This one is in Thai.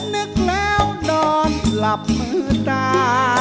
นึกแล้วนอนหลับมือตา